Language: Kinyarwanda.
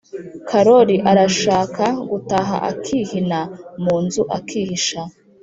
,karori arashaaka gutaha akihina mu nzu, akihisha